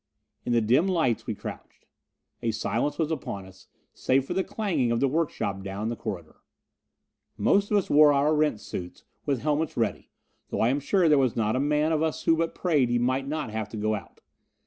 In the dim lights we crouched. A silence was upon us, save for the clanging in the workshop down the corridor. Most of us wore our Erentz suits, with helmets ready, though I am sure there was not a man of us but who prayed he might not have to go out.